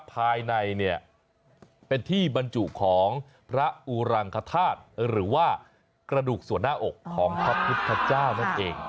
ภายในเนี่ยเป็นที่บรรจุของพระอุรังคธาตุหรือว่ากระดูกส่วนหน้าอกของพระพุทธเจ้านั่นเอง